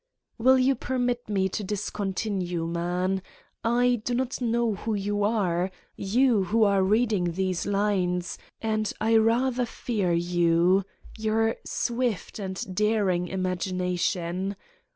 Will you permit me to discontinue, man? I do not know who you are, you who are reading these lines, and I rather fear you ... your swift and 163 Satan's Diary daring imagination.